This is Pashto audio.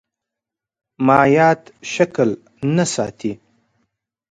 مایعات شکل نه ساتي.